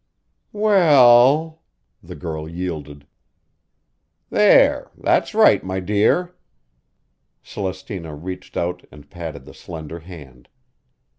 "W e ll," the girl yielded. "There, that's right, my dear." Celestina reached out and patted the slender hand.